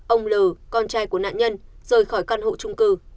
ông lừ con trai của nạn nhân rời khỏi căn hộ trung cư